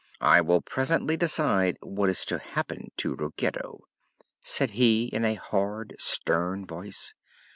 "I will presently decide what is to happen to Ruggedo," said he in a hard, stern voice.